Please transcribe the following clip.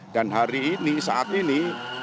dan hari ini saat ini